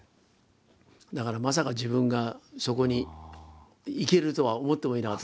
だからまさか自分がそこに行けるとは思ってもいなかった。